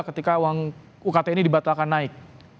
ketika uang ukt ini dibatalkan naik